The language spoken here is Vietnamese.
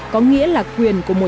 có nghĩa là quyền của nữ giới